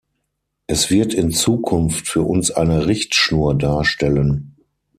Es wird in Zukunft für uns eine Richtschnur darstellen.